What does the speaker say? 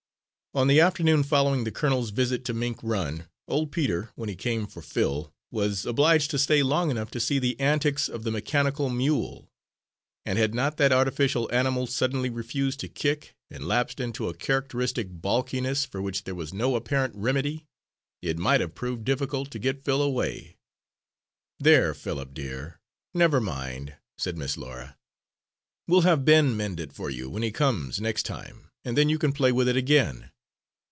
On the afternoon following the colonel's visit to Mink Run, old Peter, when he came for Phil, was obliged to stay long enough to see the antics of the mechanical mule; and had not that artificial animal suddenly refused to kick, and lapsed into a characteristic balkiness for which there was no apparent remedy, it might have proved difficult to get Phil away. "There, Philip dear, never mind," said Miss Laura, "we'll have Ben mend it for you when he comes, next time, and then you can play with it again."